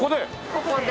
ここで。